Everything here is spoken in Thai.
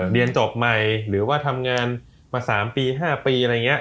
เรียนจบใหม่หรือว่าทำงานมา๓ปี๕ปีอะไรอย่างนี้